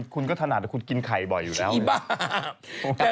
คุณก็ถนัดคุณกินไข่บ่อยอยู่แล้ว